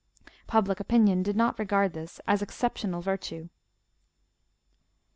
Public opinion did not regard this as exceptional virtue.